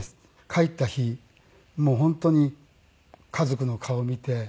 帰った日本当に家族の顔を見て。